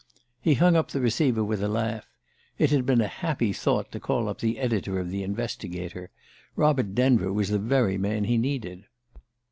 He hung up the receiver with a laugh. It had been a happy thought to call up the editor of the Investigator Robert Denver was the very man he needed...